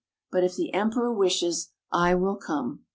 " But if the Emperor wishes, I will come."